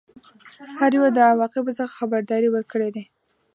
هر یوه د عواقبو څخه خبرداری ورکړی دی.